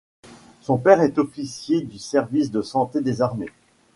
Son père est officier du Service de santé des armées.